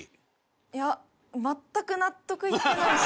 いや全く納得いってないし。